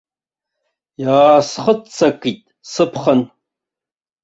Иаасхыццакит сыԥхын.